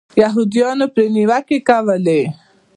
یهودیانو پرې نیوکې کولې.